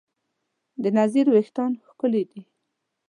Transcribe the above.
د نذیر وېښتیان ښکلي دي.